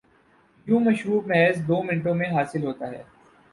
یوں مشروب محض دومنٹوں میں حاصل ہوجاتا ہے۔